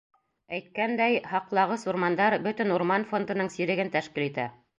Әйткәндәй, һаҡлағыс урмандар бөтөн урман фондының сиреген тәшкил итә.